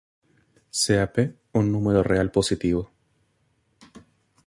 Sea p un número real positivo.